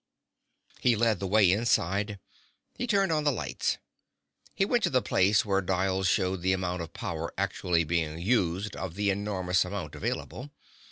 He led the way inside. He turned on lights. He went to the place where dials showed the amount of power actually being used of the enormous amount available.